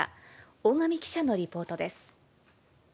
大神記者のリポートです。